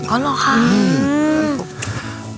อ๋อหรอค่ะ